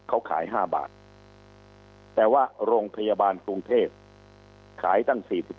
เขาขาย๕บาทแต่ว่าโรงพยาบาลกรุงเทพขายตั้ง๔๐